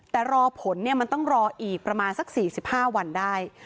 แต่รอผลเนี่ยมันต้องรออีกประมาณสักสี่สิบห้าวันได้